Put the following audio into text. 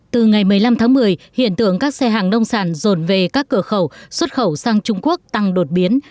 từ ngày một mươi năm tháng một mươi hiện tượng các xe hàng nông sản rồn về các cửa khẩu xuất khẩu sang trung quốc tăng đột biến